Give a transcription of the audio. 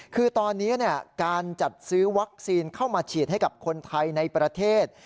คือตอนนี้การจัดซื้อวัคซีนเข้ามาฉีดให้กับคนไทยในประเทศ